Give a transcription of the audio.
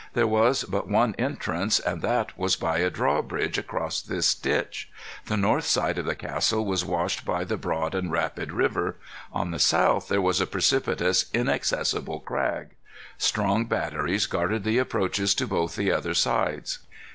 There was but one entrance, and that was by a drawbridge across this ditch. The north side of the castle was washed by the broad and rapid river. On the south there was a precipitous inaccessible crag. Strong batteries guarded the approaches to both the other sides.